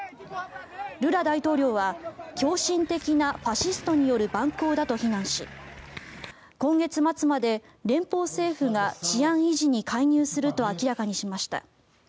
ルラ大統領は狂信的なファシストによる蛮行だと非難し今月末まで連邦政府が治安維持に介入すると明らかにしました。